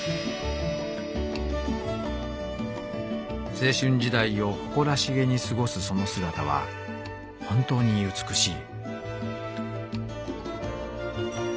「青春時代をほこらしげにすごすそのすがたは本当にうつくしい」。